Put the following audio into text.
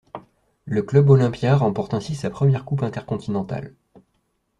Le Club Olimpia remporte ainsi sa première Coupe intercontinentale.